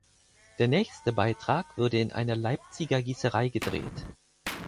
Der nächste Beitrag würde in einer Leipziger Gießerei gedreht.